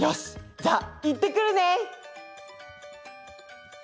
じゃあいってくるね。